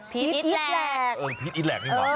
พีชอินแหลก